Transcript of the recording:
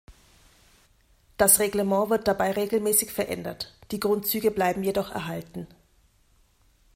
Das Reglement wird dabei regelmäßig verändert, die Grundzüge bleiben jedoch erhalten.